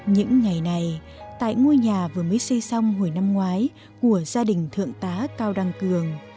những ngày này tại ngôi nhà vừa mới xây xong hồi năm ngoái của gia đình thượng tá cao đăng cường